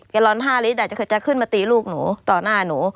ร้อน๕ลิตรจะขึ้นมาตีลูกหนูต่อหน้าหนู